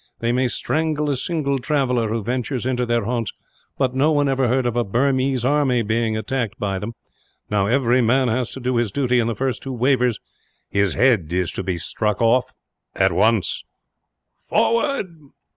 They may strangle a single traveller, who ventures into their haunts; but no one ever heard of a Burmese army being attacked by them. Now, every man has to do his duty; and the first who wavers, his head is to be struck off, at once. "Forward!"